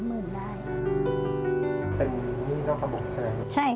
เป็นนี่น้องกระบบใช่ไหม